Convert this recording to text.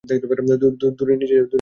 দূরে নিয়ে যা।